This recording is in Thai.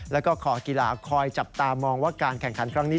แล้วก็ขอกีฬาคอยจับตามองว่าการแข่งขันครั้งนี้